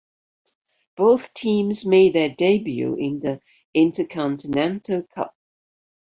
Both teams made their debut in the Intercontinental Cup.